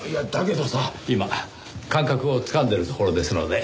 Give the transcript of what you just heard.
今感覚をつかんでるところですので。